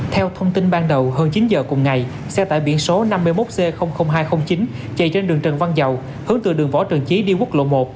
theo thông tin ban đầu hơn chín giờ cùng ngày xe tải biển số năm mươi một c hai trăm linh chín chạy trên đường trần văn dầu hướng từ đường võ trần trí đi quốc lộ một